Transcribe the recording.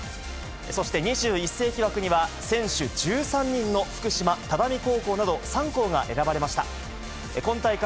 そして２１世紀枠には、選手１３人の福島・只見高校など３校が選ばれました。